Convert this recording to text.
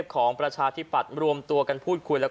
ก็มันยังไม่หมดวันหนึ่ง